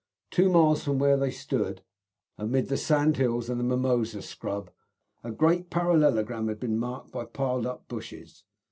Two miles from where they stood, amid the sand hills and the mimosa scrub, a great parallelogram had been marked by piled up bushes.